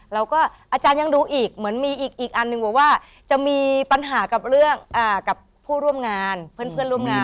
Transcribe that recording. แล้วก็อาจารย์ยังดูอีกเหมือนมีอีกอันหนึ่งบอกว่าจะมีปัญหากับเรื่องกับผู้ร่วมงานเพื่อนร่วมงาน